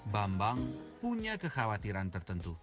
bambang punya kekhawatiran tertentu